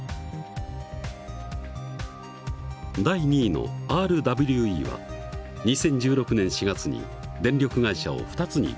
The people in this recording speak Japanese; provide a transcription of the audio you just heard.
第２位のＲＷＥは２０１６年４月に電力会社を２つに分社化。